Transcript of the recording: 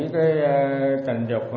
cái tình dục